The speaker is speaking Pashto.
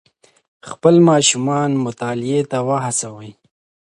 خپل ماشومان مطالعې ته وهڅوئ.